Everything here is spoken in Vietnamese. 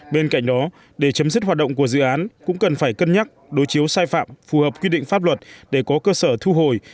bên cạnh đó để chấm dứt hoạt động của dự án cũng cần phải cân nhắc đối chiếu sai phạm phù hợp quy định pháp luật để có cơ sở thu hồi